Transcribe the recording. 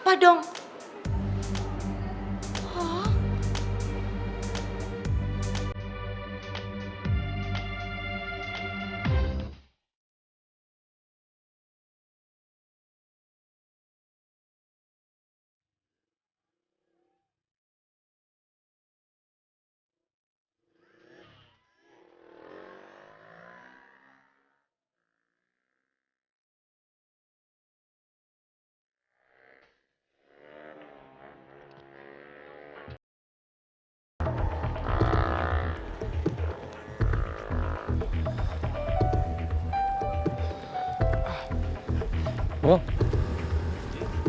tante orang ketemu sama si boy